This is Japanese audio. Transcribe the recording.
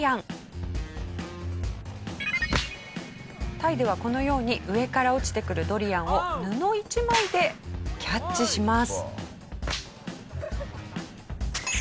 タイではこのように上から落ちてくるドリアンを布１枚でキャッチします。